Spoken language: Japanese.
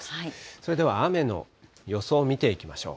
それでは雨の予想を見ていきましょう。